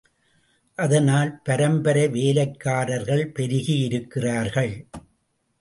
அதனால் பரம்பரை வேலைக்காரர்கள் பெருகி இருக்கிறார்கள்.